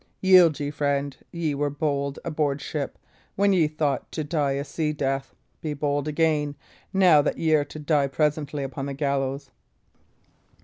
Yield ye, friend. Ye were bold aboard ship, when ye thought to die a sea death; be bold again, now that y' are to die presently upon the gallows."